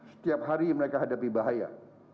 setiap hari mereka hadapi bahaya